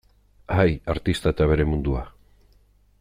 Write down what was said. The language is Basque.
Ai, artista eta bere mundua.